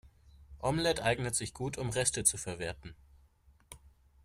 Omelette eignet sich gut, um Reste zu verwerten.